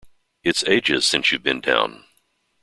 It’s ages since you’ve been down.